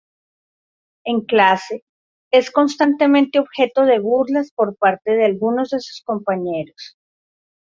En clase, es constantemente objeto de burlas por parte de algunos de sus compañeros.